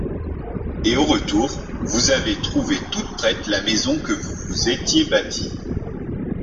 Et au retour, vous avez trouvé toute prête la maison que vous vous étiez bâtie.